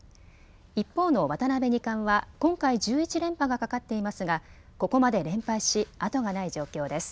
一方の渡辺二冠は今回１１連覇がかかっていますがここまで連敗し後がない状況です。